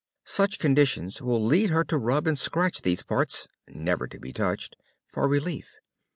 Such conditions will lead her to rub and scratch these parts never to be touched for relief.